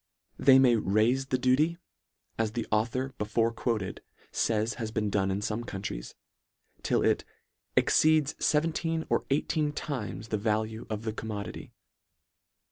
They may raife the duty as the author before quoted fays, has been done in fome countries, till it " exceeds fe " venteen or eighteen times the value of the " commodity."